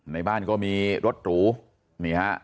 ในบ้านก็มีรถหรูนี่ฮะ